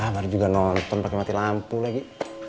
baru juga nonton pakai mati lampu lagi